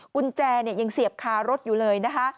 กุญแจยังเสียบคารถอยู่เลยนะคะ